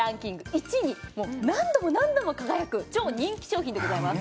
１位に何度も何度も輝く超人気商品でございます